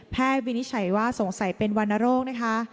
แพทย์วินิจฉัยว่าสงสัยเป็นวันโรคนะคะ